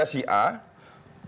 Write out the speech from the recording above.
dari partai a